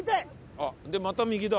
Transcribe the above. あっまた右だ。